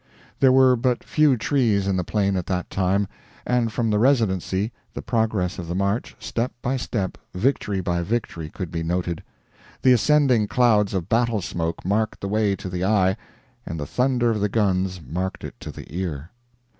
There were but few trees in the plain at that time, and from the Residency the progress of the march, step by step, victory by victory, could be noted; the ascending clouds of battle smoke marked the way to the eye, and the thunder of the guns marked it to the ear.